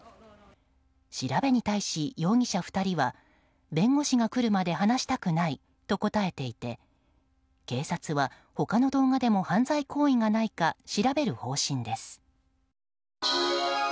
調べに対し容疑者２人は弁護士が来るまで話したくないと答えていて警察は他の動画でも犯罪行為がないか調べる方針です。